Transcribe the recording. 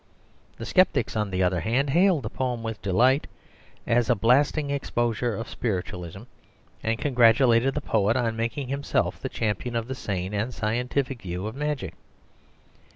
The sceptics, on the other hand, hailed the poem with delight as a blasting exposure of spiritualism, and congratulated the poet on making himself the champion of the sane and scientific view of magic.